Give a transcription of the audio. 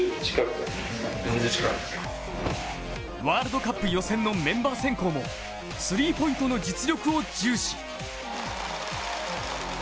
ワールドカップ予選のメンバー選考もスリーポイントの実力を重視。